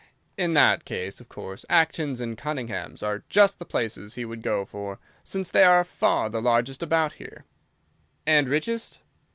"In that case, of course, Acton's and Cunningham's are just the places he would go for, since they are far the largest about here." "And richest?"